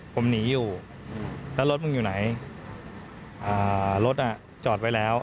ผมหนีอยู่แล้วรถมึงอยู่ไหนรถอ่ะจอดไว้แล้ว